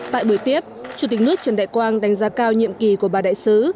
tại buổi tiếp chủ tịch nước trần đại quang đánh giá cao nhiệm kỳ của bà đại sứ